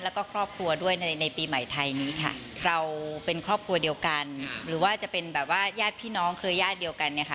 แล้วก็ครอบครัวด้วยในในปีใหม่ไทยนี้ค่ะเราเป็นครอบครัวเดียวกันหรือว่าจะเป็นแบบว่าญาติพี่น้องเครือญาติเดียวกันเนี่ยค่ะ